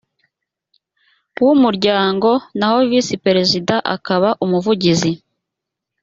w umuryango naho visi perezida akaba umuvugizi